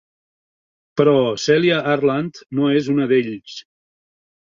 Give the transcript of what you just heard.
Però Celia Harland no és una d'ells.